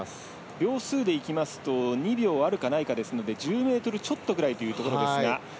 秒数でいいますと２秒あるかないかですので１０ｍちょっとぐらいというところですが。